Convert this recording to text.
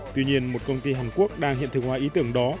tuy nhiên một công ty hàn quốc đang hiện thực hoa ý tưởng